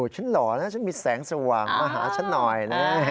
หล่อนะฉันมีแสงสว่างมาหาฉันหน่อย